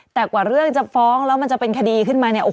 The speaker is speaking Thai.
แต่กว่าเรื่องจะฟ้องแล้วมันจะเป็นคดีขึ้นมาเนี่ย